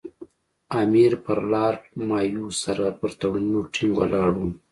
امیر پر لارډ مایو سره پر تړونونو ټینګ ولاړ وو.